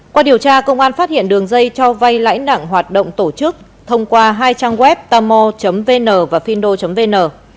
qua điều tra công an phát hiện đường dây cho vay lãi nặng hoạt động tổ chức thông qua hai trang web tamo vn và findo vn